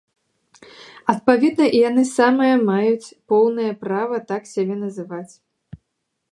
Адпаведна, і яны самыя маюць поўнае права так сябе называць.